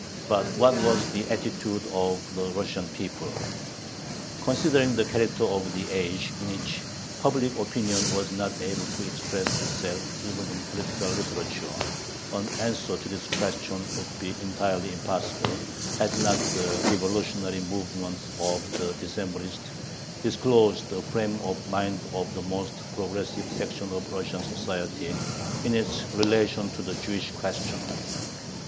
But what was the attitude of the Russian people? Considering the character of the age, in which public opinion was not able to express itself even in political literature, an answer to this question would be entirely impossible, had not the revolutionary movement of the Decembrists disclosed the frame of mind of the most progressive section of Russian society in its relation to the Jewish question.